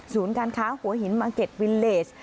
ศูนย์การค้าหัวหินมาร์เก็ตวิเลจ